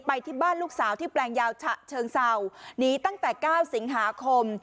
ไปที่บ้านลูกสาวที่แปลงยาวฉะเชิงเศร้าหนีตั้งแต่เก้าสิงหาคม